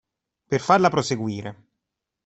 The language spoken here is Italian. Per farla proseguire.